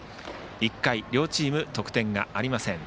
１回は両チーム得点がありません。